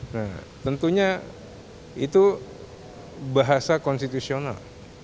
nah tentunya itu bahasa konstitusional